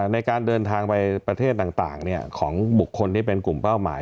ในการเดินทางไปประเทศต่างของบุคคลที่เป็นกลุ่มเป้าหมาย